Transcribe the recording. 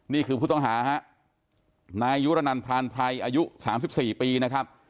นี่คือผู้ต้องหาฮะนายยุรนันพรานไพรอายุ๓๔ปีนะครับ